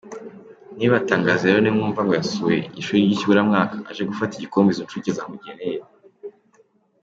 Ntibibatangaze rero nimwumva ngo yasuye ishuri ry’ikiburamwaka aje gufata igikombe izo ncuke zamugeneye!